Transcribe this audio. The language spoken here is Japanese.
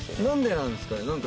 何でなんですかね